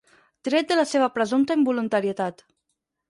Tret de la seva presumpta involuntarietat.